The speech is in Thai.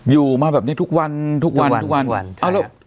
อยู่มาแบบนี้ทุกวันทุกวันทุกวันทุกวันใช่ครับเอาแล้ว